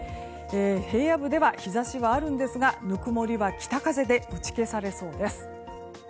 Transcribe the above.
平野部では日差しがあるんですがぬくもりは北風で打ち消されそうです。